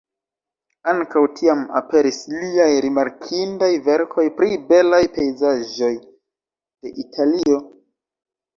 Ankaŭ tiam aperis liaj rimarkindaj verkoj pri belaj pejzaĝoj de Italio.